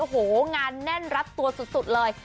โอ้โหงานแน่นรัดตัวสุดเลย